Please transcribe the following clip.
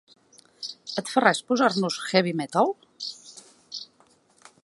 Et fa res posar-nos heavy metal?